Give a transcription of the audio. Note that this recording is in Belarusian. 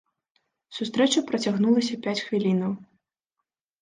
Сустрэча працягнулася пяць хвілінаў.